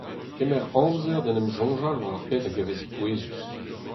Kemer amzer d'en em soñjal war ar pezh a gavez pouezus.